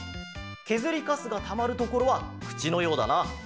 けずりカスがたまるところはくちのようだな。